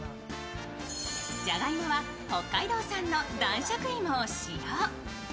じゃがいもは北海道産の男爵芋を使用。